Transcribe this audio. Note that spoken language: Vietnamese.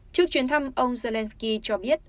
trước chuyến thăm ông zelensky cho biết